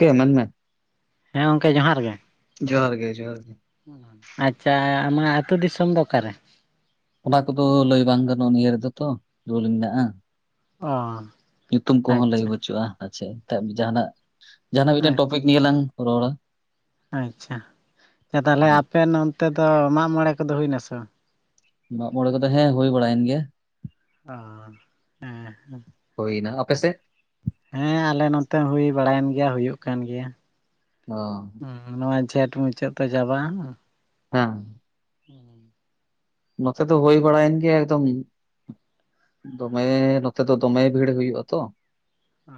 ᱠᱮ ᱢᱮᱱ ᱢᱮ ᱦᱮᱸ ᱜᱚᱝᱠᱮ ᱡᱚᱦᱟᱨ ᱜᱮ ᱡᱚᱦᱟᱨ ᱜᱮ ᱡᱚᱦᱟᱨ ᱜᱮ ᱟᱪᱪᱷᱟ ᱟᱢᱟᱜ ᱟᱹᱛᱩ ᱫᱤᱥᱚᱢ ᱫᱚ ᱚᱠᱟᱨᱮ? ᱚᱱᱟ ᱠᱚᱫᱚ ᱞᱟᱹᱭ ᱵᱟᱝ ᱜᱟᱱᱚᱜᱼᱟ ᱱᱤᱭᱟᱹ ᱨᱮᱫᱚ ᱛᱚ ᱫᱳᱞ ᱢᱮᱱᱟᱜᱼᱟ ᱚ ᱧᱩᱛᱩᱢ ᱠᱚᱦᱚᱸ ᱞᱟᱹᱭ ᱟᱪᱪᱷᱟ ᱵᱟᱹᱪᱩᱜᱼᱟ ᱟᱪᱷᱟ ᱮᱱ ᱡᱟᱦᱟᱱᱟᱜ ᱡᱟᱦᱟᱱᱟᱜ ᱢᱤᱫᱴᱮᱱ ᱟᱪᱪᱷᱟ ᱴᱚᱯᱤᱠ ᱱᱤᱭᱮ ᱞᱟᱝ ᱨᱚᱲᱟ ᱟᱪᱪᱷᱟ ᱟᱪᱪᱷᱟ ᱛᱟᱞᱦᱮ ᱦᱮᱸ ᱟᱯᱮ ᱱᱚᱱᱛᱮ ᱫᱚ ᱢᱟᱜᱢᱚᱬᱮ ᱠᱚᱫᱚ ᱦᱩᱭᱱᱟ ᱥᱮ ᱵᱟᱝ? ᱢᱟᱜᱢᱚᱬᱮ ᱠᱚᱫᱚ ᱦᱮᱸ ᱦᱩᱭ ᱵᱟᱲᱟᱭᱮᱱ ᱜᱮᱭᱟ ᱚ ᱦᱮᱸ ᱦᱮᱸ ᱦᱳᱭᱱᱟ ᱟᱯᱮᱥᱮᱫ ᱦᱮᱸ ᱟᱞᱮ ᱱᱚᱛᱮ ᱦᱩᱭ ᱵᱟᱲᱟᱭᱮᱱ ᱜᱮᱭᱟ ᱦᱩᱭᱩᱜ ᱠᱟᱱ ᱜᱮᱭᱟ ᱚ ᱦᱩ ᱱᱚᱣᱟ ᱡᱷᱮᱸᱴ ᱢᱩᱪᱟᱹᱫ ᱛᱚ ᱪᱟᱵᱟᱜᱼᱟ ᱦᱮᱸ ᱦᱩᱸ ᱱᱚᱛᱮ ᱫᱚ ᱦᱩᱭ ᱵᱟᱲᱟᱭᱮᱱ ᱜᱮ ᱮᱠᱫᱚᱢ ᱫᱚᱢᱮ ᱱᱚᱛᱮ ᱫᱚ ᱫᱚᱢᱮ ᱵᱷᱤᱲ ᱦᱩᱭᱩᱜ ᱟ ᱛᱚ ᱚ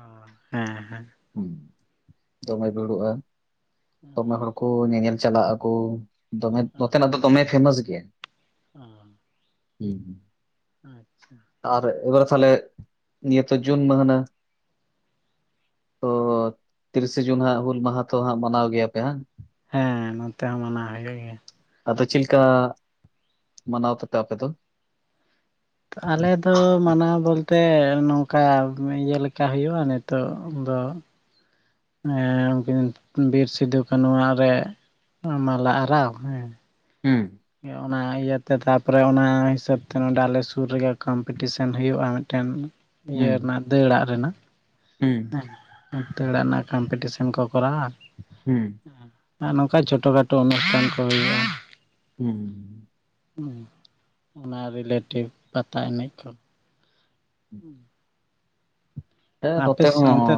ᱦᱮᱸ ᱦᱮᱸ ᱦᱩᱸ ᱫᱚᱢᱮ ᱵᱷᱤᱲᱩᱵᱼᱟ ᱫᱚᱢᱮ ᱦᱚᱲ ᱠᱚ ᱧᱮᱧᱮᱞ ᱪᱟᱞᱟᱜ ᱟᱠᱚ ᱫᱚᱢᱮ ᱱᱚᱛᱮᱱᱟᱜ ᱫᱚ ᱫᱚᱢᱮ ᱯᱷᱮᱢᱟᱥ ᱜᱮᱭᱟ ᱚ ᱦᱩᱸ ᱟᱪᱪᱷᱟ ᱟᱨ ᱮᱵᱟᱨ ᱛᱟᱦᱚᱞᱮ ᱱᱤᱭᱟᱹ ᱛᱚ ᱡᱩᱱ ᱢᱟᱹᱦᱟᱱᱟ ᱚ ᱛᱤᱨᱤᱥᱮ ᱡᱩᱱ ᱦᱟᱸᱜ ᱦᱩᱞ ᱢᱟᱦᱟ ᱛᱚ ᱦᱟᱸᱜ ᱢᱟᱱᱟᱣ ᱜᱮᱭᱟᱯᱮ ᱦᱟᱝ ᱦᱮᱸ ᱱᱚᱱᱛᱮ ᱦᱚᱸ ᱢᱟᱱᱟᱣ ᱦᱳᱭᱳᱜ ᱜᱮᱭᱟ ᱟᱫᱚ ᱪᱮᱫᱞᱮᱠᱟ ᱢᱟᱱᱟᱣ ᱛᱮᱯᱮ ᱟᱯᱮ ᱫᱚ? ᱟᱞᱮ ᱫᱚ ᱢᱟᱱᱟᱣ ᱵᱚᱞᱛᱮ ᱱᱚᱝᱠᱟ ᱤᱭᱟᱹ ᱞᱮᱠᱟ ᱦᱩᱭᱩᱜ-ᱟ ᱱᱤᱛᱚᱜ ᱫᱚ ᱮᱸ ᱩᱱᱠᱤᱱ ᱵᱤᱨ ᱥᱤᱫᱚ ᱠᱟᱱᱩᱣᱟᱜ ᱨᱮ ᱢᱟᱞᱟ ᱟᱨᱟᱣ ᱦᱮᱸ ᱦᱩᱸ ᱤᱭᱟᱹ ᱚᱱᱟ ᱤᱭᱟᱹᱛᱮ ᱛᱟᱨᱯᱚᱨᱮ ᱚᱱᱟ ᱦᱤᱥᱟᱹᱵ ᱛᱮ ᱱᱚᱰᱮ ᱟᱞᱮ ᱥᱩᱨ ᱨᱮᱜᱮ ᱠᱚᱢᱯᱤᱴᱤᱥᱟᱱ ᱦᱩᱭᱩᱜ-ᱟ ᱢᱤᱫᱴᱮᱱ ᱤᱭᱟᱹ ᱦᱩᱸ ᱨᱮᱱᱟᱜ ᱫᱟᱹᱲᱟᱜ ᱨᱮᱱᱟᱜ ᱦᱩᱸ ᱦᱮᱸ ᱦᱮᱸ ᱫᱟᱹᱲᱟᱜ ᱨᱮᱱᱟᱜ ᱠᱚᱢᱯᱤᱴᱤᱥᱟᱱ ᱠᱚ ᱠᱚᱨᱟᱣᱟ ᱦᱩᱸ ᱟᱨ ᱱᱚᱜ-ᱚ ᱱᱚᱝᱠᱟ ᱪᱷᱚᱴᱚ ᱠᱷᱟᱴᱳ ᱚᱱᱩᱥᱴᱷᱟᱱ ᱠᱚ ᱦᱩᱭᱩᱜ-ᱟ ᱦᱩᱸ ᱚᱱᱟ ᱨᱤᱞᱮᱴᱮᱵᱽ ᱯᱟᱛᱟ ᱮᱱᱮᱡ ᱠᱚ ᱦᱩᱸ ᱮ ᱱᱚᱛᱮ ᱦᱚᱸ ᱚᱱᱛᱮ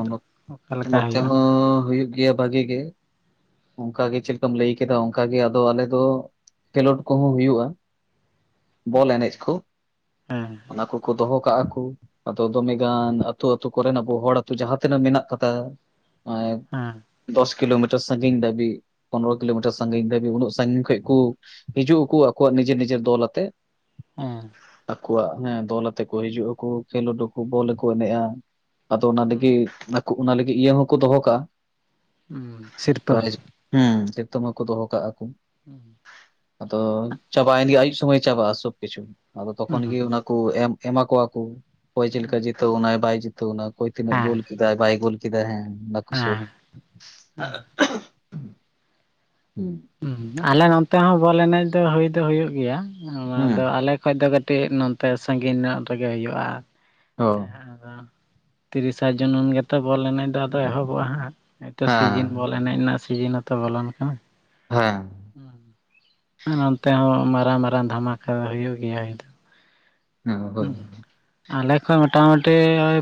ᱚᱠᱟ ᱞᱮᱠᱟ ᱱᱚᱛᱮ ᱦᱩᱭᱩᱜᱼᱟ ᱦᱚᱸ ᱦᱩᱭᱩᱜ ᱜᱮᱭᱟ ᱵᱟᱜᱤ ᱜᱮ ᱚᱝᱠᱟ ᱜᱮ ᱪᱮᱫᱠᱟᱢ ᱞᱟᱹᱭ ᱠᱟᱫᱟ ᱚᱝᱠᱟᱜᱮ ᱟᱫᱚ ᱟᱞᱮ ᱫᱚ ᱠᱷᱮᱞᱳᱰ ᱠᱚᱦᱚᱸ ᱦᱩᱭᱩᱜ-ᱟ ᱵᱚᱞ ᱮᱱᱮᱡ ᱠᱚ ᱦᱮᱸ ᱚᱱᱟ ᱠᱚ ᱠᱚ ᱫᱚᱦᱚ ᱠᱟᱜ ᱟᱠᱚ ᱟᱫᱚ ᱫᱚᱢᱮ ᱜᱟᱱ ᱟᱛᱳ ᱟᱛᱳ ᱠᱚᱨᱮᱱ ᱟᱵᱚ ᱦᱚᱲ ᱟᱹᱛᱩ ᱡᱟᱦᱟᱸ ᱛᱤᱱᱟᱹᱜ ᱢᱮᱱᱟᱜ ᱠᱟᱫᱟ [unintelligible] ᱦᱩᱸ᱾ ᱫᱚᱥ ᱠᱤᱞᱳᱢᱤᱴᱟᱨ ᱥᱟᱺᱜᱤᱧ ᱫᱟᱹᱵᱤᱜ ᱯᱚᱱᱨᱚ ᱠᱤᱞᱳᱢᱤᱴᱟᱨ ᱥᱟᱺᱜᱤᱧ ᱫᱷᱟᱹᱵᱤᱡ ᱩᱱᱟᱹᱜ ᱥᱟᱺᱜᱤᱧ ᱠᱷᱚᱡ ᱠᱩ ᱦᱤᱡᱩᱜ ᱟᱠᱩ ᱟᱠᱩᱣᱟᱜ ᱱᱤᱡᱮᱨ ᱱᱤᱡᱮᱨ ᱫᱚᱞ ᱟᱛᱮ ᱦᱮᱸ᱾ ᱟᱠᱚᱣᱟᱜ ᱦᱮᱸ ᱫᱚᱞ ᱟᱛᱮ ᱠᱚ ᱦᱤᱡᱩᱜ ᱟᱠᱩ ᱠᱷᱮᱞᱳᱰ ᱟᱠᱩ ᱵᱚᱞ ᱠᱚ ᱮᱱᱮᱡ-ᱟ, ᱟᱫᱚ ᱚᱱᱟ ᱞᱟᱹᱜᱤᱫ ᱚᱱᱟ ᱞᱟᱹᱜᱤᱫ ᱤᱭᱟᱹ ᱦᱚᱸᱠᱚ ᱫᱚᱦᱚ ᱠᱟᱜ-ᱟ? ᱩᱸ ᱥᱤᱨ ᱯᱨᱟᱭᱤᱡ ᱦᱩᱸ ᱛᱮᱛᱚ ᱢᱟᱠᱚ ᱫᱚᱦᱚ ᱠᱟᱜ-ᱟ ᱠᱩ ᱦᱩᱸ᱾ ᱟᱫᱚ ᱪᱟᱵᱟᱭᱮᱱ ᱜᱮ ᱟᱭᱩᱵ ᱥᱚᱢᱚᱭ ᱪᱟᱵᱟᱜ-ᱟ ᱥᱚᱵ ᱠᱤᱪᱷᱩ, ᱟᱫᱚ ᱛᱚᱠᱷᱚᱱ ᱦᱮᱸ ᱜᱮ ᱚᱱᱟ ᱠᱩ ᱮᱢ ᱮᱢᱟ ᱠᱚᱣᱟ ᱠᱩ ᱚᱠᱚᱭ ᱪᱮᱫ ᱞᱮᱠᱟ ᱡᱤᱛᱟᱹ ᱣᱮᱱᱟᱭ ᱵᱟᱭ ᱡᱤᱛᱟᱹ ᱣᱮᱱᱟ ᱚᱠᱚᱭ ᱛᱤᱱᱟᱹᱜ ᱜᱳᱞ ᱠᱮᱫᱟᱭ ᱵᱟᱭ ᱜᱳᱞ ᱠᱮᱫᱟ ᱦᱮᱸ ᱵᱟᱠᱩ ᱦᱮᱸ [unintelligible] ᱦᱩᱸ ᱟᱞᱮ ᱱᱚᱛᱮ ᱦᱚᱸ ᱵᱚᱞ ᱮᱱᱮᱡ ᱫᱚ ᱦᱩᱭ ᱫᱚ ᱦᱩᱭᱩᱜ ᱜᱮᱭᱟ, ᱟᱢᱟᱫᱚ ᱦᱩᱸ ᱟᱞᱮ ᱠᱷᱚᱡ ᱫᱚ ᱠᱟᱹᱴᱤᱡ ᱱᱚᱛᱮ ᱥᱟᱺᱜᱤᱧ ᱧᱚᱜ ᱨᱮᱜᱮ ᱦᱩᱭᱩᱜ-ᱟ᱾ ᱚ᱾ ᱟᱫᱚ ᱛᱤᱨᱤᱥᱟ ᱡᱩᱱᱩᱱ ᱜᱮᱛᱚ ᱵᱚᱞ ᱮᱱᱮᱡ ᱫᱚ ᱟᱫᱚ ᱮᱦᱚᱵᱚᱜ-ᱟ ᱦᱟᱸᱜ, ᱱᱤᱛᱳᱜ ᱦᱮᱸ ᱥᱤᱡᱤᱱ ᱵᱚᱞ ᱮᱱᱮᱡ ᱨᱮᱱᱟᱜ ᱥᱤᱡᱤᱱ ᱦᱚᱸᱛᱚ ᱵᱚᱞᱚᱱ ᱠᱟᱱᱟ᱾ ᱦᱮᱸ᱾ ᱱᱚᱱᱛᱮ ᱦᱚᱸ ᱢᱟᱨᱟᱝ ᱢᱟᱨᱟᱝ ᱫᱷᱟᱢᱟᱠᱟ ᱦᱩᱭᱩᱜ ᱜᱮᱭᱟ ᱦᱩᱭ ᱫᱚ, ᱟᱞᱮ ᱠᱷᱚ ᱢᱚᱴᱟ ᱢᱩᱩᱴᱤ ᱳᱭ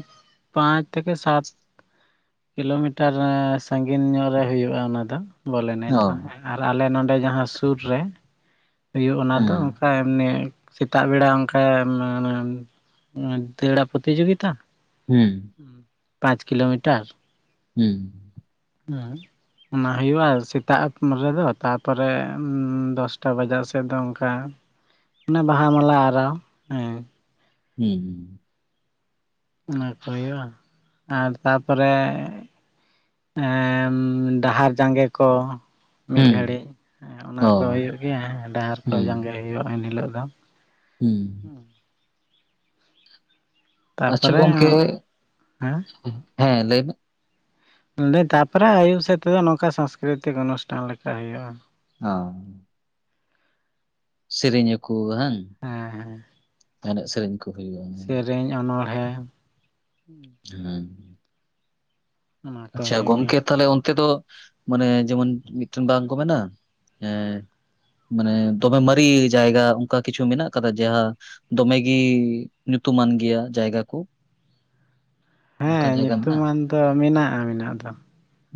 ᱯᱟᱸᱪ ᱛᱷᱮᱠᱮ ᱥᱟᱛ ᱠᱤᱞᱳᱢᱤᱴᱟᱨ ᱥᱟᱺᱜᱤᱧ ᱧᱚᱜ ᱨᱮ ᱦᱩᱭᱩᱜ-ᱟ ᱚᱱᱟ ᱫᱚ ᱵᱚᱞ ᱮᱱᱮᱡ ᱫᱚ ᱦᱮᱸ᱾ ᱟᱨ ᱟᱞᱮ ᱱᱚᱰᱮ ᱡᱟᱦᱟᱸ ᱥᱩᱨ ᱨᱮ ᱦᱩᱭᱩᱜ ᱚᱱᱟ ᱫᱚ ᱚᱝᱠᱟ ᱮᱢᱱᱤ ᱥᱮᱛᱟᱜ ᱵᱮᱲᱟ ᱚᱝᱠᱟ ᱢᱮ ᱱᱮᱱ ᱫᱟᱹᱲᱟ ᱯᱚᱛᱤᱡᱳᱜᱤᱛᱟ ᱦᱩᱸ᱾ ᱦᱩᱸ ᱯᱟᱸᱪ ᱠᱤᱞᱳᱢᱤᱴᱟᱨ, ᱦᱩᱸ᱾ ᱦᱩᱸ᱾ ᱚᱱᱟ ᱦᱩᱭᱩᱜᱼᱟ ᱥᱮᱛᱟᱜ ᱨᱮᱫᱚ ᱛᱟᱯᱚᱨᱮ ᱫᱚᱥᱴᱟ ᱵᱟᱡᱟᱜ ᱥᱮᱫ ᱫᱚ ᱚᱱᱠᱟ ᱚᱱᱮ ᱵᱟᱦᱟ ᱢᱟᱞᱟ ᱟᱨᱟᱣ ᱦᱮᱸ᱾ ᱦᱩᱸ᱾ ᱚᱱᱟ ᱠᱚ ᱦᱩᱭᱩᱜᱼᱟ, ᱟᱨ ᱛᱟᱯᱚᱨᱮ ᱮᱸᱻ ᱰᱟᱦᱟᱨ ᱡᱟᱸᱜᱮ ᱠᱚ ᱢᱤᱫ ᱦᱩᱸ, ᱜᱷᱟᱹᱲᱤᱡ ᱚᱱᱟ ᱠᱚ ᱚ, ᱦᱩᱭᱩᱜ ᱜᱮᱭᱟ ᱰᱟᱦᱟᱨ ᱠᱚ ᱦᱩᱸ, ᱡᱟᱸᱜᱮ ᱦᱩᱭᱩᱜᱼᱟ ᱮᱱᱦᱤᱞᱳᱜ ᱫᱚ᱾ ᱦᱩᱸ᱾ ᱦᱩᱸ᱾ ᱟᱪᱪᱷᱟ ᱛᱟᱨᱯᱚᱨᱮ ᱜᱚᱝᱠᱮ, ᱦᱮᱸ ᱦᱮᱸ ᱞᱟᱹᱭ ᱢᱮ? ᱤᱱᱟᱹ ᱛᱟᱯᱚᱨᱮ ᱟᱭᱩᱵ ᱥᱮᱫ ᱛᱮᱫᱚ ᱱᱚᱝᱠᱟ ᱥᱟᱝᱥᱠᱨᱤᱛᱤᱠ ᱚᱱᱩᱥᱴᱷᱟᱱ ᱞᱮᱠᱟ ᱦᱩᱭᱩᱜᱼᱟ᱾ ᱚ᱾ ᱥᱮᱨᱮᱧ ᱟᱹᱠᱩ ᱦᱮᱸ ᱵᱟᱝ, ᱮᱱᱮᱡ ᱥᱮᱨᱮᱧ ᱠᱚ ᱦᱩᱭᱩᱜᱼᱟ᱾ ᱥᱮᱨᱮᱧ ᱚᱱᱚᱲᱦᱮᱸ ᱦᱮᱸ᱾ ᱚᱱᱟ ᱠᱚ ᱟᱪᱪᱷᱟ ᱦᱩᱭᱩᱜ ᱜᱚᱝᱠᱮ ᱜᱮᱭᱟ ᱛᱟᱦᱞᱮ ᱚᱱᱛᱮ ᱫᱚ ᱢᱟᱱᱮ ᱡᱮᱢᱚᱱ ᱢᱤᱫᱴᱮᱱ ᱵᱟᱝ ᱠᱚ ᱢᱮᱱᱟ, ᱮᱸ ᱢᱟᱱᱮ ᱫᱚᱢᱮ ᱢᱟᱨᱤ ᱡᱟᱭᱜᱟ ᱚᱱᱠᱟ ᱠᱤᱪᱷᱩ ᱢᱮᱱᱟᱜ ᱠᱟᱫᱟ? ᱡᱟᱦᱟᱸ ᱫᱚᱢᱮᱜᱤ ᱧᱩᱛᱩᱢᱟᱱ ᱜᱮᱭᱟ ᱡᱟᱭᱜᱟ ᱠᱩ᱾ ᱦᱮᱸ ᱢᱮᱱᱟᱜᱼᱟ? ᱧᱩᱛᱩᱢᱟᱱ ᱫᱚ ᱢᱮᱱᱟᱜᱼᱟ ᱢᱮᱱᱟᱜ ᱫᱚ᱾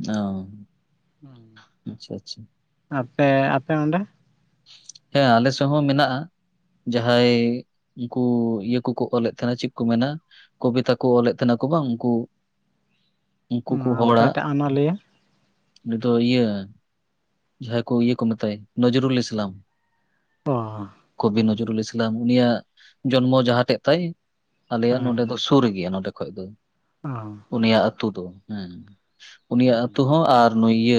ᱚ᱾ ᱟᱪᱪᱷᱟ ᱟᱪᱪᱷᱟ᱾ ᱚ ᱟᱯᱮ ᱟᱯᱮ ᱚᱸᱰᱮ? ᱦᱮᱸ ᱟᱞᱮ ᱥᱮᱜ ᱦᱚᱸ ᱢᱮᱱᱟᱜᱼᱟ᱾ ᱡᱟᱦᱟᱸᱭ ᱩᱱᱠᱩ ᱤᱭᱟᱹ ᱠᱚᱠᱚ ᱚᱞᱮᱫ ᱛᱟᱸᱦᱮᱱᱟ ᱪᱮᱫ ᱠᱚ ᱢᱮᱱᱟ ᱠᱚᱵᱤᱛᱟ ᱠᱚ ᱚᱞᱮᱫ ᱛᱟᱦᱮᱱᱟ ᱠᱚ ᱵᱟᱝ ᱩᱝᱠᱩ ᱚᱠᱚᱭᱴᱟᱜ ᱚᱱᱚᱞᱤᱭᱟᱹ? ᱩᱱᱤ ᱫᱚ ᱤᱭᱟᱹ ᱡᱟᱦᱟᱸᱭ ᱠᱚ ᱤᱭᱟᱹ ᱠᱚ ᱢᱮᱛᱟᱭ ᱱᱚᱡᱨᱩᱞ ᱤᱥᱞᱟᱢ᱾ ᱚ ᱠᱚᱵᱤ ᱱᱚᱡᱩᱨᱩᱞ ᱤᱥᱞᱟᱢ ᱩᱱᱤᱭᱟᱜ ᱡᱚᱱᱢᱚ ᱡᱟᱦᱟᱸᱴᱷᱮᱡ ᱛᱟᱭ᱾ ᱟᱞᱮᱭᱟᱜ ᱱᱚᱰᱮ ᱦᱮᱸ ᱫᱚ ᱥᱩᱨ ᱜᱮᱭᱟ ᱱᱚᱰᱮ ᱠᱷᱚᱡ ᱫᱚ᱾ ᱚ ᱩᱱᱤᱭᱟᱜ ᱟᱹᱛᱩ ᱫᱚ ᱦᱩᱸ᱾ ᱩᱱᱤᱭᱟᱜ ᱟᱹᱛᱩ ᱦᱚᱸ ᱟ ᱱᱩᱭ ᱤᱭᱟᱹ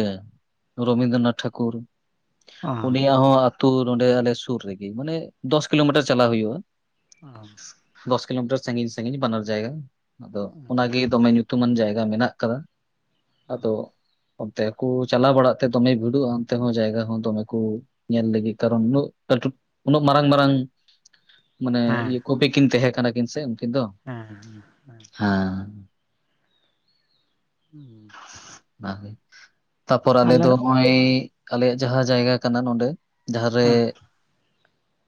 ᱨᱚᱵᱤᱱᱫᱨᱚᱱᱟᱛᱷ ᱴᱷᱟᱠᱩᱨ, ᱚ ᱚ ᱩᱱᱤᱭᱟᱜ ᱦᱚᱸ ᱟᱹᱛᱩ ᱱᱚᱰᱮ ᱟᱞᱮ ᱥᱩᱨ ᱨᱮᱜᱮ ᱢᱟᱱᱮ ᱫᱚᱥ ᱠᱤᱞᱳᱢᱤᱴᱟᱨ ᱪᱟᱞᱟᱣ ᱦᱩᱭᱩᱜ-ᱟ᱾ ᱚ ᱫᱚᱥ ᱠᱤᱞᱳᱢᱤᱴᱟᱨ ᱥᱟᱺᱜᱤᱧ ᱥᱟᱺᱜᱤᱧ ᱵᱟᱱᱟᱨ ᱡᱟᱭᱜᱟ ᱟᱫᱚ ᱚᱱᱟᱜᱮ ᱫᱚᱢᱮ ᱧᱩ ᱧᱩᱛᱩᱢᱟᱱ ᱡᱟᱭᱜᱟ ᱢᱮᱱᱟᱜ ᱠᱟᱫᱟ᱾ ᱟᱫᱚ ᱚᱱᱛᱮ ᱠᱚ ᱪᱟᱞᱟᱣ ᱵᱟᱲᱟᱜ ᱛᱮ ᱫᱚᱢᱮ ᱵᱷᱤᱲᱚᱜ-ᱟ ᱚᱱᱛᱮ ᱦᱚᱸ ᱡᱟᱭᱜᱟ ᱦᱚᱸ ᱫᱚᱢᱮ ᱠᱚ ᱧᱮᱞ ᱞᱟᱹᱜᱤᱫ ᱠᱟᱨᱚᱱ ᱩᱱᱟᱹᱜ ᱠᱟᱹᱴᱤ, ᱩᱱᱟᱹᱜ ᱢᱟᱨᱟᱝ ᱢᱟᱨᱟᱝ [inaudible] ᱢᱟᱱᱮ ᱤᱭᱟᱹ ᱠᱚᱵᱤ ᱠᱤᱱ ᱛᱟᱦᱮᱸ ᱠᱟᱱᱟ ᱠᱤᱱ ᱥᱮ ᱩᱱᱠᱤᱱ ᱫᱚ᱾ ᱦᱮᱸ ᱦᱮᱸ ᱦᱮᱸ᱾ ᱦᱮᱸ ᱦᱩᱸ ᱱᱟᱜ, ᱛᱟᱯᱚᱨ ᱟᱞᱮ ᱫᱚ ᱱᱚᱜᱼᱚᱭ ᱟᱞᱮᱭᱟᱜ ᱡᱟᱦᱟᱸ ᱡᱟᱭᱜᱟ ᱠᱟᱱᱟ ᱱᱚᱰᱮ᱾ ᱡᱟᱦᱟᱸᱨᱮ ᱦᱩᱸ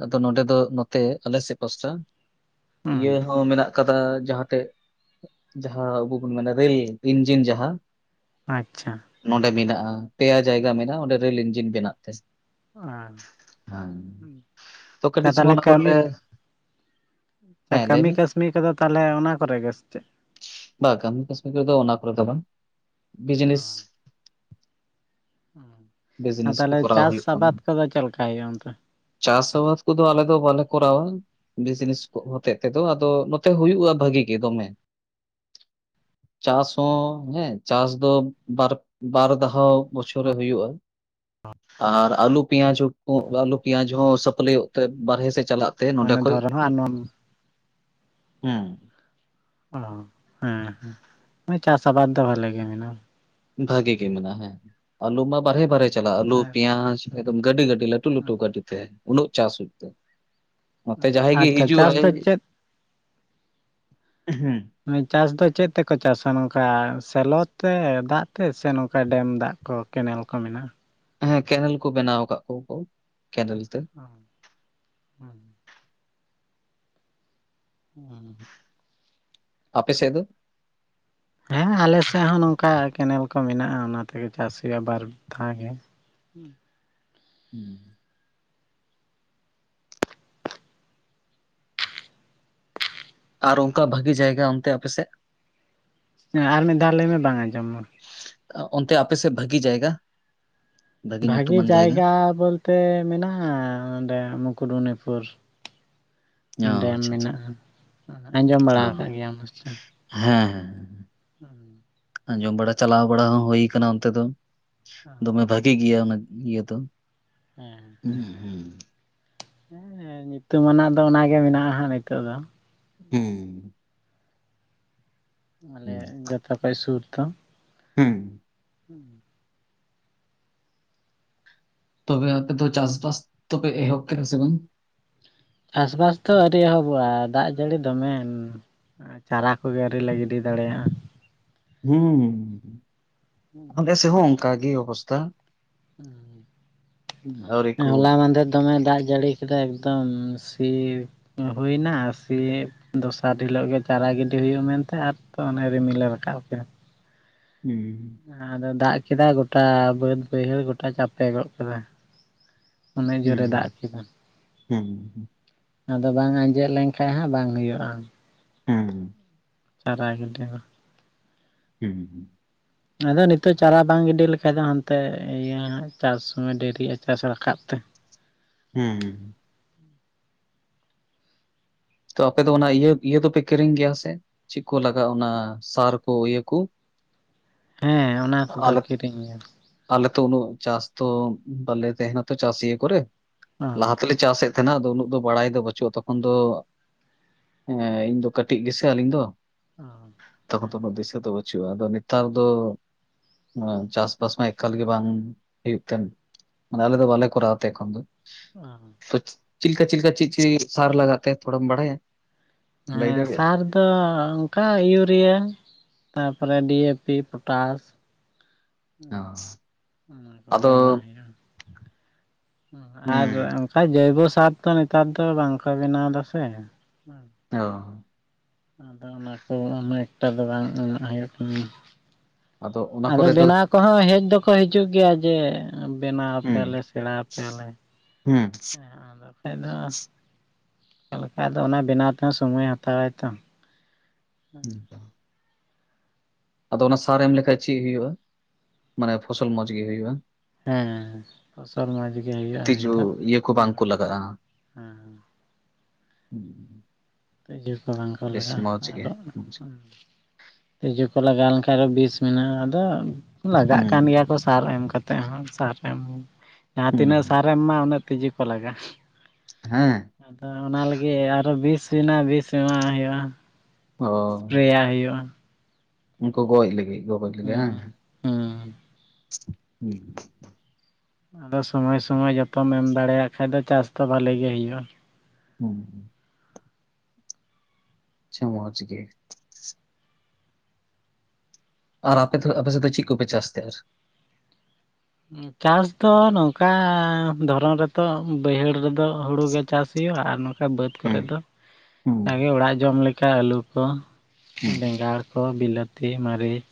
ᱟᱫᱚ ᱱᱚᱰᱮ ᱫᱚ ᱱᱚᱛᱮ ᱟᱞᱮᱥᱮᱫ ᱯᱟᱥᱴᱟ᱾ ᱤᱭᱟᱹ ᱦᱩᱸ ᱦᱚᱸ ᱢᱮᱱᱟᱜ ᱠᱟᱫᱟ ᱡᱟᱦᱟᱸᱛᱮ ᱡᱟᱦᱟᱸ ᱟᱵᱚ ᱵᱚᱱ ᱢᱮᱱᱟ ᱨᱮᱹᱞ ᱤᱧᱡᱤᱱ ᱡᱟᱦᱟᱸ᱾ ᱟᱪᱪᱷᱟ᱾ ᱱᱚᱰᱮ ᱢᱮᱱᱟᱜ-ᱟ ᱯᱮᱭᱟ ᱡᱟᱭᱜᱟ ᱢᱮᱱᱟᱜᱼᱟ ᱚᱸᱰᱮ ᱨᱮᱹᱞ ᱤᱧᱡᱤᱱ ᱵᱮᱱᱟᱜ ᱛᱮ᱾ ᱦᱮᱸ, ᱛᱚ ᱠᱟᱹᱴᱤᱡ ᱥᱚᱢᱚᱭ ᱚᱱᱟ ᱠᱚᱨᱮ ᱞᱮ ᱟᱪᱪᱷᱟ ᱠᱟᱹᱢᱤ ᱠᱟᱹᱥᱱᱤ ᱠᱚᱫᱚ ᱛᱟᱦᱞᱮ ᱚᱱᱟ ᱠᱚᱨᱮ ᱜᱮ ᱥᱮ ᱪᱮᱫ? ᱵᱟ, ᱠᱟᱹᱢᱤ ᱠᱟᱹᱥᱱᱤ ᱨᱮᱫᱚ ᱚᱱᱟ ᱠᱚᱨᱮ ᱫᱚ ᱵᱟᱝ ᱵᱤᱡᱱᱮᱥ᱾ ᱚ, ᱟᱨ ᱵᱤᱡᱽᱱᱮᱥ ᱠᱚ ᱛᱟᱦᱞᱮ ᱠᱚᱨᱟᱣ ᱪᱟᱥ ᱦᱩᱭᱩᱜ ᱠᱟᱱᱟ ᱟᱵᱟᱫ ᱠᱚᱫᱚ ᱪᱮᱫ ᱞᱮᱠᱟ ᱦᱩᱭᱩᱜ-ᱟ ᱚᱱᱛᱮ? ᱪᱟᱥ ᱟᱵᱟᱫ ᱠᱚᱫᱚ ᱟᱞᱮ ᱫᱚ ᱵᱟᱞᱮ ᱠᱚᱨᱟᱣᱟ᱾ ᱵᱤᱡᱽᱱᱮᱥ ᱠᱚ ᱦᱚᱛᱮᱡ ᱛᱮᱫᱚ ᱟᱫᱚ ᱱᱚᱛᱮ ᱦᱩᱭᱩᱜ-ᱟ ᱵᱷᱟᱹᱜᱤ ᱜᱮ ᱫᱚᱢᱮ᱾ ᱪᱟᱥ ᱦᱚᱸ ᱦᱮᱸ ᱪᱟᱥ ᱫᱚ᱾ ᱵᱟᱨ, ᱵᱟᱨ ᱫᱷᱟᱣ ᱵᱚᱪᱷᱚᱨ ᱨᱮ ᱦᱩᱭᱩᱜ-ᱟ᱾ ᱟᱨ ᱟᱞᱩ, ᱯᱮᱸᱭᱟᱡᱽ [unintelligible] ᱟᱞᱩ ᱯᱮᱸᱭᱟᱡᱽ ᱦᱚᱸ ᱥᱟᱯᱞᱟᱹᱭᱚᱜ ᱛᱮ ᱵᱟᱨᱦᱮ ᱥᱮᱫ ᱪᱟᱞᱟᱜ ᱛᱮ ᱱᱚᱰᱮ ᱢᱟᱱᱮ ᱠᱷᱚᱡ ᱫᱷᱚᱨᱚᱱ ᱦᱚᱸ ᱟᱨ ᱱᱚᱣᱟ ᱦᱩᱸ᱾ ᱚ, ᱦᱮᱸ ᱦᱮᱸ ᱪᱟᱥ ᱟᱵᱟᱫᱽ ᱫᱚ ᱵᱷᱟᱞᱤ ᱜᱮ ᱢᱮᱱᱟᱜ-ᱟ᱾ ᱵᱷᱟᱜᱤ ᱜᱮ ᱢᱮᱱᱟᱜ-ᱟ ᱦᱮᱸ᱾ ᱟᱞᱩ ᱢᱟ ᱵᱟᱨᱦᱮ ᱵᱟᱨᱦᱮ ᱪᱟᱞᱟᱜᱼᱟ ᱟᱞᱩ, ᱢᱮᱱᱟᱜᱼᱟ᱾ ᱯᱮᱸᱭᱟᱡᱽ ᱮᱠᱫᱚᱢ ᱜᱟᱹᱰᱤ ᱜᱟᱹᱰᱤ ᱞᱮ ᱞᱟᱹᱴᱩ ᱞᱟᱹᱴᱩ ᱜᱟᱹᱰᱤᱛᱮ᱾ ᱩᱱᱟᱹᱜ ᱪᱟᱥ ᱦᱩᱭᱩᱜ ᱛᱮ, ᱱᱚᱛᱮ ᱡᱟᱦᱟᱸᱭ ᱜᱮ ᱟᱪᱪᱷᱟ ᱪᱟᱥ ᱦᱤᱡᱩᱜ-ᱟᱭ ᱫᱚ ᱪᱮᱫ ᱦᱩᱸ᱾ ᱦᱩᱸ, ᱪᱟᱥ ᱫᱚ ᱪᱮᱫ ᱛᱮᱠᱚ ᱪᱟᱥᱟ ᱱᱚᱝᱠᱟ ᱥᱮᱞᱚ ᱛᱮ ᱫᱟᱜ ᱛᱮ ᱥᱮ ᱱᱚᱝᱠᱟ ᱰᱮᱢ ᱫᱟᱜ? ᱠᱚ ᱠᱮᱱᱮᱞ ᱠᱚ ᱢᱮᱱᱟᱜ-ᱟ? ᱦᱮᱸ ᱠᱮᱱᱮᱞ ᱠᱚ ᱵᱮᱱᱟᱣ ᱠᱟᱜ ᱠᱚᱣᱟ ᱠᱚ, ᱠᱮᱱᱮᱞ ᱛᱮ᱾ ᱚ ᱦᱩᱸ᱾ ᱟᱯᱮ ᱥᱮᱫ ᱫᱚ? ᱦᱮᱸ ᱟᱞᱮ ᱥᱮᱫ ᱦᱚᱸ ᱱᱚᱝᱠᱟ ᱠᱮᱱᱮᱞ ᱠᱚ ᱢᱮᱱᱟᱜ-ᱟ ᱚᱱᱟ ᱛᱮᱜᱮ ᱪᱟᱥ ᱦᱩᱭᱩᱜ-ᱟ ᱵᱟᱨ ᱫᱷᱟᱣ ᱜᱮ᱾ ᱦᱩᱸ᱾ ᱟᱨ ᱚᱝᱠᱟ ᱵᱷᱟᱜᱤ ᱡᱟᱭᱜᱟ ᱚᱱᱛᱮ ᱟᱯᱮ ᱥᱮᱫ? ᱦᱮᱸ ᱟᱨ ᱢᱤᱫ ᱫᱷᱟᱣ ᱞᱟᱹᱭ ᱢᱮ ᱵᱟᱝ ᱟᱸᱡᱚᱢᱟ᱾ ᱚᱱᱛᱮ ᱟᱯᱮ ᱥᱮᱫ ᱵᱷᱟᱹᱜᱤ ᱡᱟᱭᱜᱟ? ᱵᱷᱟᱜᱤ ᱡᱟᱭᱜᱟ ᱵᱚᱞᱛᱮ ᱢᱮᱱᱟᱜᱼᱟ ᱚᱸᱰᱮ ᱢᱩᱠᱩᱴᱵᱩᱱᱤᱯᱩᱨ ᱾ ᱚ ᱰᱮᱢ ᱟᱪᱪᱷᱟ ᱟᱪᱪᱷᱟ ᱢᱮᱱᱟᱜᱼᱟ ᱟᱸᱡᱚᱢ ᱵᱟᱲᱟ ᱚ ᱟᱠᱟᱫ ᱜᱮᱭᱟ ᱯᱟᱪᱮ ᱾ ᱦᱮᱸ ᱟᱸᱡᱚᱢ ᱵᱟᱲᱟ ᱪᱟᱞᱟᱣ ᱵᱟᱲᱟ ᱦᱚᱸ ᱦᱩᱭ ᱟᱠᱟᱱᱟ ᱚᱱᱛᱮ ᱫᱚ ᱾ ᱫᱚᱢᱮ ᱵᱷᱟᱜᱤ ᱜᱮᱭᱟ ᱚᱱᱟ ᱤᱭᱟᱹ ᱫᱚ ᱾ ᱦᱮᱸᱦᱮᱸ ᱦᱮᱸ ᱧᱩᱛᱩᱢᱟᱱᱟᱜ ᱫᱚ ᱚᱱᱟᱜᱮ ᱢᱮᱱᱟᱜᱼᱟ ᱦᱟᱸᱜ ᱱᱤᱛᱚᱜ ᱫᱚ ᱾ ᱦᱩᱸ ᱟᱞᱮ ᱡᱚᱛᱚ ᱠᱷᱚᱱᱚᱡ ᱥᱩᱨ ᱫᱚ ᱾ ᱦᱮᱸ ᱦᱩᱸ ᱛᱚᱵᱮ ᱟᱯᱮ ᱫᱚ ᱪᱟᱥᱵᱟᱥ ᱛᱚᱯᱮ ᱮᱦᱚᱵᱚᱜ ᱥᱮ ᱵᱟᱝ? ᱪᱟᱥᱵᱟᱥ ᱫᱚ ᱟᱹᱰᱤ ᱮᱦᱚᱵᱚᱜᱼᱟ ᱫᱟᱜ ᱡᱟᱹᱲᱤ ᱫᱚᱢᱮᱱ ᱾ ᱪᱟᱨᱟ ᱠᱚᱜᱮ ᱟᱹᱣᱨᱤ ᱞᱮ ᱜᱤᱰᱤ ᱫᱟᱲᱮᱭᱟᱜᱼᱟ ᱾ ᱦᱩᱸ, ᱟᱞᱮ ᱥᱮᱫ ᱚᱱᱠᱟᱜ ᱜᱮ ᱚᱵᱚᱥᱛᱷᱟ ᱾ ᱠᱚ ᱦᱚᱞᱟ ᱢᱟᱫᱮᱨ ᱫᱚᱢᱮ ᱫᱟᱜ ᱡᱟᱹᱲᱤ ᱮᱠᱫᱢᱮ ᱥᱤ ᱦᱩᱭᱱᱟ ᱥᱤ ᱫᱚᱥᱟᱨ ᱦᱤᱞᱳᱜ ᱜᱮ ᱪᱟᱨᱟ ᱜᱤᱰᱤ ᱦᱩᱭᱩᱜᱼᱟ ᱢᱮᱱᱛᱮ ᱟᱨ ᱛᱚ ᱚᱱᱮ ᱨᱤᱢᱤᱞᱮ ᱨᱟᱠᱟᱵ ᱠᱮᱼᱟ ᱾ ᱦᱮᱸ ᱟᱫᱚ ᱫᱟᱜ ᱠᱮᱫᱟ ᱜᱚᱴᱟ ᱵᱟᱹᱛ ᱵᱟᱹᱭᱦᱟᱹᱲ ᱜᱚᱴᱟᱭ ᱪᱟᱯᱮ ᱜᱚᱫ ᱠᱟᱫᱟ ᱾ ᱩᱱᱟᱜ ᱦᱩᱸ ᱡᱩᱨᱮ ᱫᱟᱜ ᱠᱮᱫᱟ ᱾ ᱦᱩᱸ ᱟᱫᱚ ᱵᱟᱝ ᱟᱸᱡᱮᱫ ᱞᱮᱱᱠᱷᱟᱱᱡ ᱦᱟᱸᱜ ᱵᱟᱝ ᱦᱩᱭᱩᱜᱼᱟ ᱾ ᱦᱩᱸ ᱪᱟᱨᱟᱭ ᱜᱮ ᱫᱚ ᱦᱮᱸ ᱟᱫᱚ ᱱᱤᱛᱚᱜ ᱪᱟᱨᱟ ᱵᱟᱝ ᱜᱤᱰᱤ ᱞᱮᱠᱷᱷᱟᱡ ᱫᱚ ᱦᱟᱱᱛᱮ ᱤᱭᱟᱹ ᱦᱟᱜ ᱪᱟᱥ ᱥᱚᱢᱚᱭ ᱰᱮᱨᱤᱜᱼᱟ ᱪᱟᱥ ᱨᱟᱠᱟᱵ ᱛᱮ ᱾ ᱦᱩᱸ ᱛᱚ ᱟᱯᱮ ᱫᱚ ᱚᱱᱟ ᱤᱭᱟᱹ ᱤᱭᱟᱹ ᱫᱚᱯᱮ ᱠᱤᱨᱤᱧ ᱜᱮᱭᱟ ᱥᱮ? ᱪᱮᱫ ᱠᱚ ᱞᱟᱜᱟᱜᱼᱟ ᱚᱱᱟ ᱥᱟᱨ ᱠᱚ ᱤᱭᱟᱹ ᱠᱚ ᱦᱮᱸ ᱚᱱᱟ ᱠᱚᱫᱚ ᱠᱤᱨᱤᱧ [inaudible] ᱟᱞᱮᱛᱚ ᱩᱱᱟᱹᱜ ᱪᱟᱥ ᱛᱚ ᱵᱟᱞᱮ ᱛᱟᱦᱮᱱᱟ ᱛᱚ ᱪᱟᱥᱤᱭᱟᱹ ᱠᱚᱨᱮ ᱞᱟᱦᱟ ᱛᱮ ᱞᱮ ᱪᱟᱥᱮᱫ ᱛᱟᱦᱮᱱᱟᱜ ᱫᱚ ᱩᱱᱟᱹᱜ ᱫᱚ ᱵᱟᱲᱟᱭ ᱫᱚ ᱵᱟᱹᱪᱩᱜ-ᱟ ᱛᱚᱠᱷᱚᱱ ᱫᱚ ᱮᱸ ᱤᱧ ᱫᱚ ᱠᱟᱹᱴᱤᱡ ᱜᱮᱥᱮ ᱟᱹᱞᱤᱧ ᱫᱚ ᱚ ᱛᱠᱷᱚᱱ ᱫᱚ ᱦᱮᱸ ᱩᱱᱟᱹᱜ ᱫᱤᱥᱟᱹ ᱫᱚ ᱦᱪᱩᱜ-ᱟ ᱟᱫᱚ ᱱᱮᱛᱟᱨ ᱫᱚ ᱪᱟᱥᱵᱟᱥ ᱢᱟ ᱮᱠᱟᱞ ᱜᱮ ᱵᱟᱝ ᱦᱩᱭᱩᱜ ᱠᱟᱱ ᱢᱟᱱᱮ ᱟᱞᱮ ᱫᱚ ᱵᱟᱞᱮ ᱠᱚᱨᱟᱣ ᱛᱮ ᱮᱠᱷᱚᱱ ᱫᱚ᱾ ᱚ ᱪᱮᱫ ᱞᱮᱠᱟ ᱪᱮᱫ ᱞᱮᱠᱟ ᱪᱮᱫ ᱪᱮᱫ ᱥᱟᱨ ᱞᱟᱜᱟᱜ ᱛᱮ ᱛᱷᱚᱲᱟᱢ ᱵᱟᱰᱟᱭᱟ? ᱮᱸ ᱥᱟᱨ ᱫᱚ ᱚᱱᱠᱟ ᱤᱭᱩᱨᱤᱭᱟ ᱛᱟᱯᱚᱨᱮ ᱰᱤ ᱮ ᱯᱤ ᱯᱚᱴᱟᱥ᱾ ᱦᱸ ᱚ ᱚᱱᱟ ᱠᱚᱜᱮ ᱟᱫᱚ ᱮᱢᱟᱜ ᱦᱩᱭᱩᱜ-ᱟ ᱾ ᱟᱨ ᱦᱩᱸ ᱚᱱᱠᱟ ᱡᱚᱭᱵᱚ ᱥᱟᱨ ᱫᱚ ᱱᱮᱛᱟᱨ ᱫᱚ ᱵᱟᱝ ᱠᱚ ᱵᱮᱱᱟᱣ ᱫᱟᱥᱮ᱾ ᱚ ᱟᱫᱚ ᱚᱱᱟ ᱠᱚ ᱩᱱᱟᱜ ᱮᱠᱴᱟ ᱫᱚ ᱵᱟᱝ ᱮᱢ ᱦᱩᱭᱩᱜ ᱠᱟᱱᱟ᱾ ᱚᱱᱟ ᱟᱫᱚ ᱠᱚᱨᱮ ᱫᱚ ᱵᱮᱱᱟᱣ ᱠᱚ ᱦᱚᱸ ᱦᱮᱡ ᱫᱚ ᱠᱚ ᱦᱤᱡᱩᱜ ᱜᱮᱭᱟ ᱡᱮ ᱵᱮᱱᱟᱣ ᱟᱯᱮᱭᱟᱞᱮ ᱥᱮᱬᱟ ᱟᱯᱮᱭᱟᱞᱮ᱾ ᱦᱮᱸ᱾ ᱵᱟᱠᱷᱟᱡ ᱫᱚ ᱚᱠᱟᱞᱮᱠᱟ ᱚᱫᱚ ᱚᱱᱟ ᱵᱮᱱᱟᱣ ᱛᱮᱦᱚᱸ ᱥᱚᱢᱚᱭᱮ ᱦᱟᱛᱟᱣᱟᱭ ᱛᱚ᱾ ᱦᱸ ᱟᱫᱚ ᱚᱱᱟ ᱥᱟᱨ ᱮᱢ ᱞᱮᱠᱷᱟᱡ ᱪᱮᱫ ᱦᱩᱭᱩᱜ-ᱟ, ᱢᱟᱱᱮ ᱯᱷᱚᱥᱚᱞ ᱢᱚᱸᱡᱽ ᱜᱮ ᱦᱩᱭᱩᱜ-ᱟ᱾ ᱦᱮᱸ ᱯᱷᱚᱥᱚᱞ ᱢᱚᱡᱽ ᱜᱮ ᱦᱩᱭᱩᱜ-ᱟ ᱦᱩᱭ ᱛᱤᱡᱩ ᱫᱚ ᱤᱭᱟᱹ ᱠᱚ ᱵᱟᱝ ᱠᱚ ᱦᱸ ᱞᱟᱜᱟᱜᱼᱟ ᱦᱮᱸ᱾ ᱦᱩᱸ [unintelligible] ᱛᱤᱡᱩ ᱠᱚ ᱵᱟᱝ ᱠᱚ ᱵᱮᱥ ᱞᱟᱜᱟᱜ-ᱟ ᱢᱚᱸᱡᱽ ᱟᱨ ᱜᱮ ᱫᱚ ᱢᱚᱸᱡᱽ᱾ ᱦᱸ᱾ ᱛᱤᱡᱩ ᱠᱚ ᱞᱟᱜᱟᱣ ᱞᱮᱱᱠᱷᱟᱱ ᱟᱨᱦᱚᱸ ᱵᱤᱥ ᱢᱮᱱᱟᱜ-ᱟ ᱟᱫᱚ ᱞᱟᱜᱟᱜ ᱦᱩᱸ ᱠᱟᱱ ᱜᱮᱭᱟ ᱠᱚ ᱥᱟᱨ ᱮᱢ ᱠᱟᱛᱮᱫ ᱦᱚᱸ ᱥᱟᱨ ᱮᱢ ᱡᱟᱦᱟᱸ ᱛᱤᱱᱟᱹᱜ ᱦᱩᱸ ᱥᱟᱨ ᱮᱢ ᱢᱟ ᱩᱱᱟᱹᱜ ᱛᱤᱡᱩ ᱠᱚ ᱞᱟᱜᱟᱜ-ᱟ᱾ ᱦᱮᱸ᱾ ᱟᱫᱚ ᱚᱱᱟ ᱞᱟᱹᱜᱤᱫ ᱟᱨᱚ ᱵᱤᱥ ᱵᱮᱱᱟ ᱵᱤᱥ ᱮᱢᱟᱜ ᱦᱩᱭᱩᱜ-ᱟ᱾ ᱚᱸᱻ᱾ ᱯᱨᱮᱭᱟ ᱦᱩᱭᱩᱜ-ᱟ᱾ ᱩᱱᱠᱩ ᱜᱚᱡ ᱞᱮ ᱞᱟᱹᱜᱤᱛ ᱜᱚᱜᱚᱡ ᱞᱮ ᱜᱮ᱾ ᱦᱩᱸ ᱦᱩᱸ [unintelligible] ᱟᱫᱚ ᱥᱩᱢᱳ ᱥᱩᱢᱳ ᱡᱚᱛᱚᱢ ᱮᱢ ᱫᱟᱲᱮᱭᱟᱜ ᱠᱷᱟᱡ ᱫᱚ ᱪᱟᱥ ᱫᱚ ᱵᱷᱟᱞᱤ ᱜᱮ ᱦᱳᱭᱳ-ᱟ᱾ ᱦᱩᱸᱻ ᱟᱪᱷᱟ ᱢᱚᱡᱽ ᱜᱮ᱾ ᱟᱨ ᱟᱯᱮ ᱫᱚ ᱟᱯᱮᱥᱮᱫ ᱫᱚ ᱪᱮᱫ ᱠᱚ ᱯᱮ ᱪᱟᱥ ᱛᱟᱦᱮᱸ ᱚᱨ? ᱪᱟᱥ ᱫᱚ ᱱᱚᱝᱠᱟ ᱫᱷᱚᱨᱚᱱ ᱨᱮ ᱛᱚ ᱵᱟᱹᱭᱦᱟᱹᱲ ᱨᱮ ᱫᱚ ᱦᱩᱲᱩ ᱜᱮ ᱪᱟᱥ ᱦᱩᱭᱩᱜ-ᱟ ᱟᱨᱼᱼ ᱠᱟ ᱵᱟᱹᱫᱽ ᱦᱩᱸ ᱠᱚᱨᱮ ᱫᱚ ᱦᱩᱸ ᱟᱜᱮ ᱚᱲᱟᱜ ᱡᱚᱢ ᱞᱮᱠᱟ ᱟᱹᱞᱩ ᱠᱚ ᱦᱩᱸ ᱵᱮᱸᱜᱟᱲᱼᱼ ᱵᱤᱞᱟᱹᱛᱤ ᱢᱟᱹᱨᱤᱪ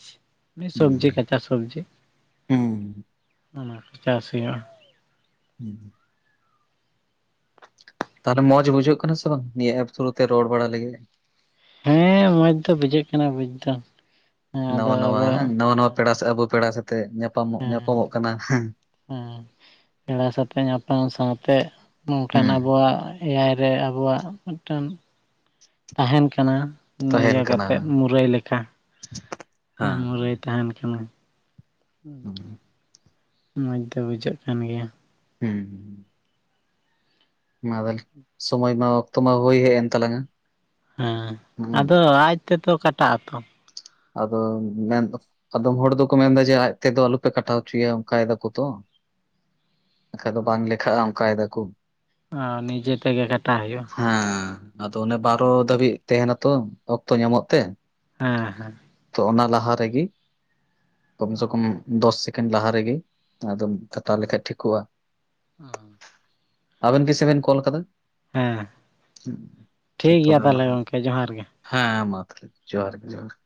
ᱥᱚᱵᱡᱤ ᱠᱟᱪᱟ ᱥᱚᱵᱽᱡᱤ᱾ ᱦᱮᱸ᱾ ᱚᱱᱟ ᱠᱚ ᱪᱟᱥ ᱦᱩᱭᱩᱜ-ᱟ᱾ ᱦᱩᱸ᱾ ᱛᱟᱦᱚᱞᱮ ᱢᱚᱡᱽ ᱵᱩᱡᱷᱟᱹᱜ ᱠᱟᱱᱟ ᱥᱮ ᱵᱟᱝ ᱱᱤᱭᱟᱹ ᱮᱯ ᱛᱷᱨᱩ ᱛᱮ ᱨᱚᱲ ᱵᱟᱲᱟ ᱞᱟᱹᱜᱤᱫ? ᱦᱮᱸ ᱢᱚᱡᱽ ᱫᱚ ᱵᱩᱡᱷᱟᱹᱜ ᱠᱟᱱᱟ ᱵᱩᱡ ᱫᱚ᱾ ᱦᱮᱸ ᱟᱫᱚ ᱱᱟᱣᱟ ᱱᱟᱣᱟ ᱟᱵᱚ ᱦᱮᱸ ᱱᱟᱣᱟ ᱱᱟᱣᱟ ᱯᱮᱲᱟ ᱥᱮ ᱟᱵᱚ ᱯᱮᱲᱟ ᱥᱟᱛᱮᱜ ᱧᱟᱯᱟᱢᱚᱜ ᱧᱟᱯᱟᱢᱚᱜ ᱠᱟᱱᱟ ᱦᱮᱸ᱾ ᱦᱮᱸ ᱯᱮᱲᱟ ᱥᱟᱛᱮᱜ ᱧᱟᱯᱟᱢ ᱥᱟᱶᱛᱮᱼᱼ ᱱᱚᱝᱠᱟᱱ ᱦᱩᱸ ᱟᱵᱩᱣᱟᱜ ᱮᱭᱟᱭ ᱨᱮ ᱟᱵᱩᱣᱟᱜ ᱢᱤᱫᱴᱟᱝᱼᱼ ᱛᱟᱦᱮᱱ ᱠᱟᱱᱟ ᱛᱟᱦᱮᱱ ᱤᱭᱟᱹ ᱠᱟᱱᱟ ᱠᱟᱛᱮᱫ ᱢᱩᱨᱟᱹᱭ ᱞᱮᱠᱟ᱾ ᱟᱨ ᱦᱮᱸ ᱢᱩᱨᱟᱹᱭ ᱛᱟᱦᱮᱱ ᱠᱟᱱᱟ᱾ ᱦᱩᱢ ᱢᱚᱡᱽ ᱫᱚ ᱵᱩᱡᱷᱟᱹᱜ ᱠᱟᱱ ᱜᱮᱭᱟ᱾ ᱦᱮᱸ᱾ ᱢᱟ ᱛᱟ ᱦᱚᱞᱮ ᱥᱚᱢᱚᱭ ᱢᱟ ᱚᱠᱛᱚ ᱢᱟ ᱦᱩᱭ ᱦᱮᱡ ᱮᱱ ᱛᱟᱞᱟᱝᱟ᱾ ᱦᱮᱸ ᱦᱩᱸ᱾ ᱟᱫᱚ ᱟᱡ ᱛᱮᱛᱚ ᱠᱟᱴᱟᱜ ᱟᱛᱚ? ᱟᱫᱚ ᱢᱮᱱ ᱫᱚ ᱟᱫᱚᱢ ᱦᱚᱲ ᱫᱚ ᱠᱚ ᱢᱮᱱᱫᱟ ᱡᱮ ᱟᱡ ᱛᱮ ᱫᱚ ᱟᱞᱚᱯᱮ ᱠᱟᱴᱟᱣ ᱦᱚᱪᱚ ᱭᱟ ᱚᱱᱠᱟᱭ ᱫᱟᱠᱚ ᱛᱚ᱾ [inaudible] ᱵᱟᱠᱷᱟ ᱫᱚ ᱵᱟᱝᱹ ᱞᱮᱠᱷᱟᱜᱼᱟ ᱚᱱᱠᱟᱸᱭ ᱫᱟᱠᱚᱼᱼ ᱚ ᱱᱤᱡᱮ ᱛᱮᱸᱜᱮ ᱰᱟᱴᱟ ᱦᱩᱭᱩᱜᱼᱟ᱾ ᱦᱮᱸ ᱟᱼᱫᱚ ᱚᱼᱱᱮ ᱵᱟᱨᱚ ᱫᱷᱟᱹᱵᱤᱡ ᱛᱟᱦᱮᱱᱟᱹ ᱛᱚ ᱚᱼᱠᱛᱚ ᱧᱟᱢᱚᱜ ᱛᱮ᱾ ᱦᱮᱸ ᱦᱮᱸᱼᱼ ᱛᱚ ᱚᱱᱟ ᱞᱟᱦᱟᱹ ᱨᱮᱹᱜᱮ ᱠᱚᱢ ᱥᱮ ᱦᱮᱸ ᱠᱚᱢ ᱫᱚᱥ ᱥᱮᱠᱮᱱᱰ ᱞᱟᱦᱟᱹ ᱨᱮᱹᱜᱮ ᱟᱼᱫᱚᱢᱼᱼ ᱠᱟᱹᱴᱟᱣᱸ ᱞᱮᱹᱠᱷᱟᱱ ᱴᱷᱤᱠᱚᱜᱼᱟ ᱟᱼᱵᱮᱱ ᱛᱤᱥᱷ ᱵᱮᱱ ᱠᱚᱞ ᱟᱼᱠᱟᱫᱟ᱾ ᱦᱮᱸ ᱟᱪᱪᱷᱟ ᱴᱷᱤᱠᱹ ᱜᱮᱼᱭᱟ ᱛᱚᱵᱮ ᱢᱟ ᱛᱟᱦᱚᱸᱞᱮ ᱜᱚᱝᱹᱠᱮ ᱡᱚᱦᱟᱨᱹ ᱜᱮ᱾ ᱦᱮᱸ ᱢᱟᱹᱛᱦᱮᱸᱞᱮ ᱡᱚᱦᱟᱨᱹ ᱦᱮᱸ ᱜᱮ ᱡᱚᱦᱟᱨᱹ ᱜᱮ᱾ [inaudible]